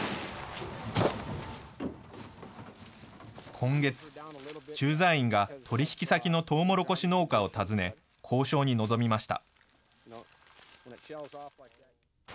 今月、駐在員が取り引き先のトウモロコシ農家を訪ね、交渉に臨みました。